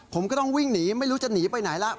ผมก็ต้องวิ่งหนีไม่รู้จะหนีไปไหนแล้ว